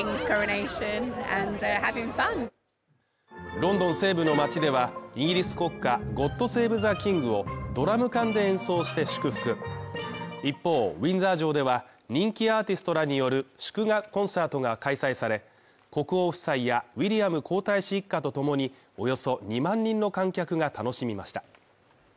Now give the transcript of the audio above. ロンドン西部の町ではイギリス国歌「ＧｏｄＳａｖｅＴｈｅｋｉｎｇ」をドラム缶で演奏して祝福一方、ウィンザー城では、人気アーティストらによる祝賀コンサートが開催され、国王夫妻やウィリアム皇太子一家とともにおよそ２万人の観客が楽しみました。